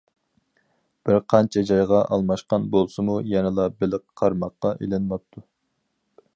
بىر قانچە جايغا ئالماشقان بولسىمۇ، يەنىلا بېلىق قارماققا ئىلىنماپتۇ.